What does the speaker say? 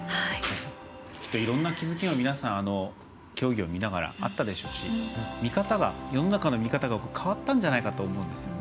いろんな気付きが皆さん競技を見ながらあったでしょうし世の中の見方が変わったんじゃないかと思うんですよね。